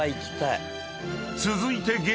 ［続いて激